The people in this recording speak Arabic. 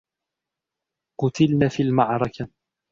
قُتلن في المعركة.